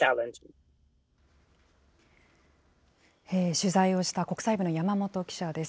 取材をした国際部の山本記者です。